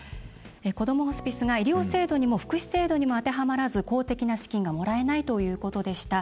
こどもホスピスが医療制度にも福祉制度にも当てはまらず、公的な資金がもらえないということでした。